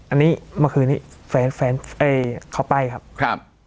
อันนี้เมื่อคืนนี้แฟนแฟนเขาไปครับครับ